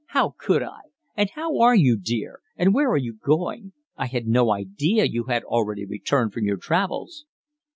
"How could I? And how are you, dear? and where are you going? I had no idea you had already returned from your travels."